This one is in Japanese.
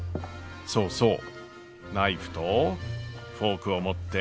そうそうナイフとフォークを持って。